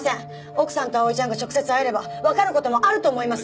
奥さんと碧唯ちゃんが直接会えればわかる事もあると思います！